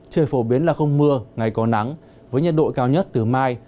trời phổ biến là không mưa ngày có nắng với nhiệt độ cao nhất từ mai